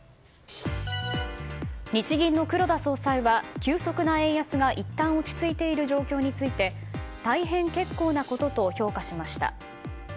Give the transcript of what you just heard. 日銀の黒田総裁は急速な円安がいったん落ち着いている状況について大変結構なことと評価しました。